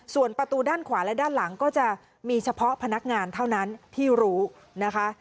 ส่วนประตูด้านขวาและด้านหลังก็จะมีเฉพาะพนักงานเท่านั้นที่รู้นะคะ